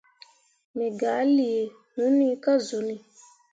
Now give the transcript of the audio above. Me gah lii hunni ka zuni.